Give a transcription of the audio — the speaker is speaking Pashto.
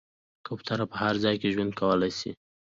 کوتره په هر ځای کې ژوند کولی شي.